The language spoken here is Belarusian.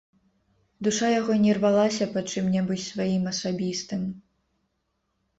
Душа яго не рвалася па чым-небудзь сваім, асабістым.